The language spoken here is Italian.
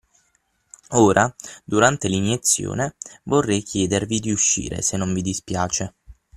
Ora, durante l'iniezione vorrei chiedervi di uscire, se non vi dispiace.